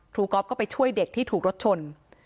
ก๊อฟก็ไปช่วยเด็กที่ถูกรถชน